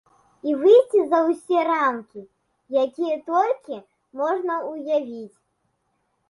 І выйсці за ўсе рамкі, якія толькі можна ўявіць.